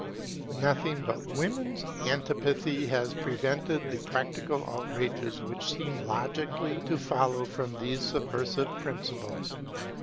Nothing but women's antipathy has prevented the practical outrages which seem logically to follow from these subversive principles.